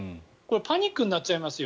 パニックになっちゃいますよ。